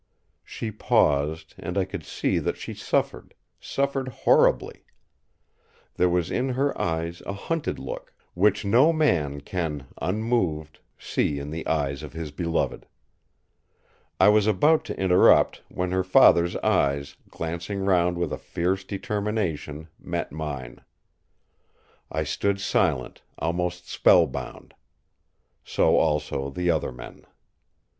She paused, and I could see that she suffered—suffered horribly. There was in her eyes a hunted look, which no man can, unmoved, see in the eyes of his beloved. I was about to interrupt, when her father's eyes, glancing round with a fierce determination, met mine. I stood silent, almost spellbound; so also the other men.